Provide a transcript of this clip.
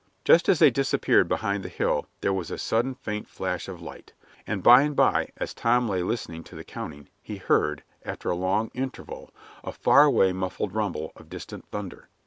Just as they disappeared behind the hill there was a sudden faint flash of light; and by and by, as Tom lay still listening to the counting, he heard, after a long interval, a far away muffled rumble of distant thunder.